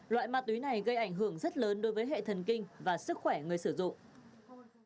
loại ma túy này gây ảnh hưởng rất lớn đối với hệ thần kinh và sức khỏe người sử dụng